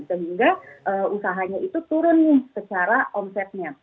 sehingga usahanya itu turun secara omsetnya